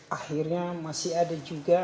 akhirnya masih ada juga